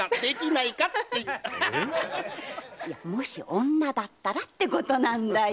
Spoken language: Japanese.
もし女だったらってことなんだよ。